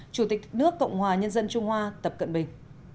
chủ tịch nước cộng hòa nhân dân trung hoa tập cận bình